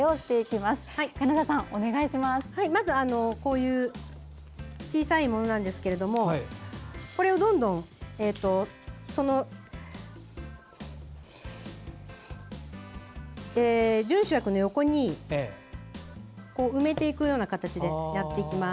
まず、こういう小さいものなんですがこれをどんどん、準主役の横に埋めていくような形でやっていきます。